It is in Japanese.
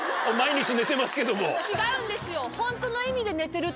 違うんですよ。